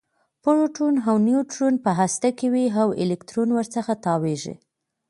پروټون او نیوټرون په هسته کې وي او الکترون ورڅخه تاویږي